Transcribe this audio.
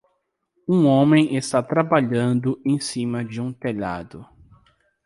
Um homem está trabalhando em cima de um telhado.